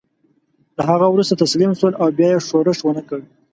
له هغه وروسته تسلیم شول او بیا یې ښورښ ونه کړ.